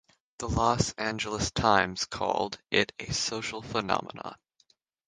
The "Los Angeles Times" called it a "social phenomenon".